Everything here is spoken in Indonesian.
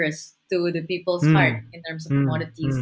untuk orang orang di dalam hal komoditas